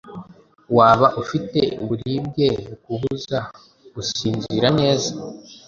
waba ufite uburibwe bukubuza gusinzira neza,